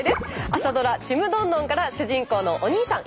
朝ドラ「ちむどんどん」から主人公のお兄さん